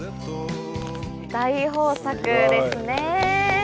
大豊作ですね。